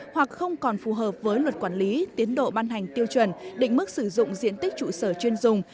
hoặc không còn phù hợp với luật quản lý tiến độ ban hành tiêu chuẩn định mức sử dụng diện tích trụ sở chuyên dùng